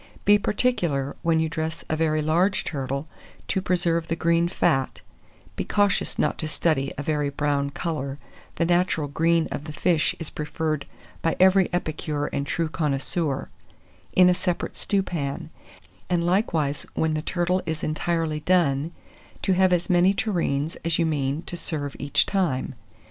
Be particular, when you dress a very large turtle, to preserve the green fat (be cautious not to study a very brown colour, the natural green of the fish is preferred by every epicure and true connoisseur) in a separate stewpan, and likewise when the turtle is entirely done, to have as many tureens as you mean to serve each time.